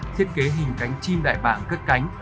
thiết kế hình cánh chim đại bảng cất cánh